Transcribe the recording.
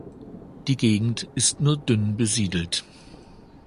Die Gegend ist nur dünn besiedelt.